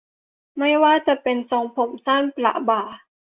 ไม่ว่าจะเป็นทรงผมสั้นประบ่า